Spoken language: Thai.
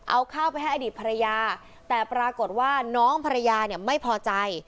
เอาข้าวไปให้อดีตภรรยาแต่ปรากฏว่าน้องภรรยาเนี่ยไม่พอใจ